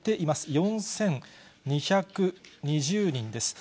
４２２０人です。